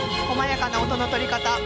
こまやかな音の取り方